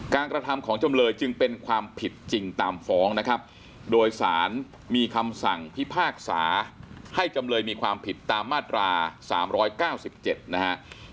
กระทำของจำเลยจึงเป็นความผิดจริงตามฟ้องนะครับโดยสารมีคำสั่งพิพากษาให้จำเลยมีความผิดตามมาตรา๓๙๗นะฮะ